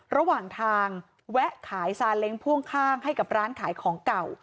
ระหว่างทางแวะขายซาเล้งพ่วงข้างให้กับร้านขายของเก่า